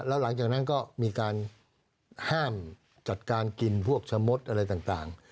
แล้วหลังจากนั้นก็มีการห้ามจัดการกินพวกชะมดอะไรต่าง